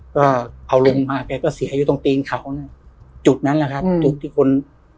ก็เอาลงมาแกก็เสียอยู่ตรงตีนเขาเนี่ยจุดนั้นแหละครับจุดที่คน